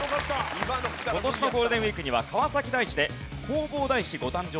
今年のゴールデンウィークには川崎大師で弘法大師ご誕生